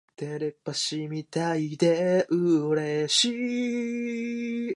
うしろ！